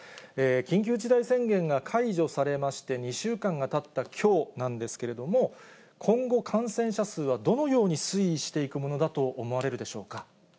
緊急事態宣言が解除されまして、２週間がたったきょうなんですけれども、今後、感染者数はどのように推移していくものだと思われるでしょうか。